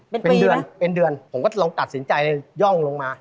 เป็นเดือนเป็นเดือนผมก็ลองตัดสินใจย่องลงมา